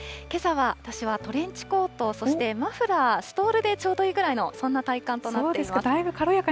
けさは私はトレンチコート、そしてマフラー、ストールでちょうどいいくらいの、そんな体感となっています。